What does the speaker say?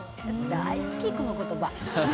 大好きこの言葉。